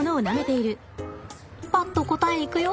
パッと答えいくよ！